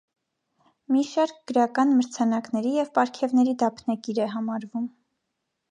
Մի շարք գրական մրցանակների և պարգևների դափնեկիր է համարվում։